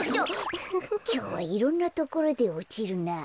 きょうはいろんなところでおちるなあ。